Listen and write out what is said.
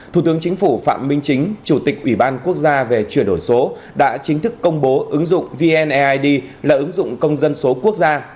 thủ tướng chính phủ phạm minh chính chủ tịch ủy ban quốc gia về chuyển đổi số đã chính thức công bố ứng dụng vneid là ứng dụng công dân số quốc gia